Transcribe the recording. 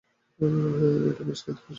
এটা খেতে বেশ ভালো হয়েছে!